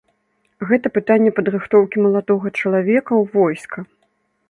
Гэта пытанне падрыхтоўкі маладога чалавека ў войска.